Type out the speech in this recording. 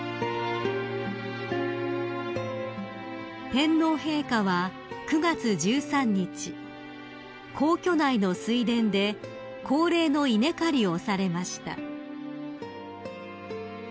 ［天皇陛下は９月１３日皇居内の水田で恒例の稲刈りをされました］